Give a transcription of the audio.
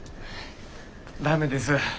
駄目です。